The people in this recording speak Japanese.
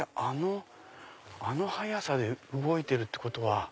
あの速さで動いてるってことは。